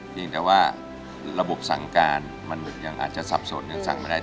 เพียงแต่ว่าระบบสั่งการมันยังอาจจะสับสนยังสั่งไม่ได้